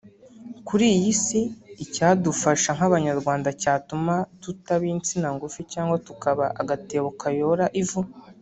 Kuri iyi Si icyadufasha nk’Abanyarwanda cyatuma tutaba insina ngufi cyangwa tutaba agatebo kayora ivu